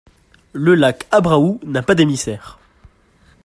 Le lac Abraou n'a pas d'émissaire.